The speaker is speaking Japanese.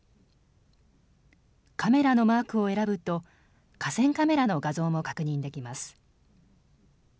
カメラのマークを選ぶと河川カメラの画像も確認できます。